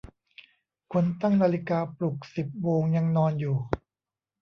คนตั้งนาฬิกาปลุกสิบโมงยังนอนอยู่